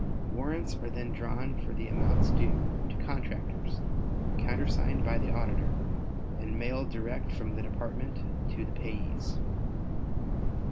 Warrants are then drawn for the amounts due to contractors, countersigned by the Auditor and mailed direct from the Department to the payees.